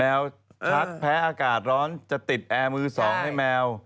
ชักแพ้อากาศร้อนจะติดแอร์มือสองให้แมว